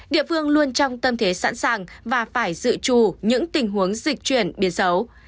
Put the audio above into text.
địa phương luôn trong tâm thế sẵn sàng và phải dự trù những tình huống dịch chuyển biến xấu